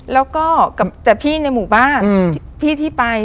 แล้วก็กับแต่พี่ในหมู่บ้านพี่ที่ไป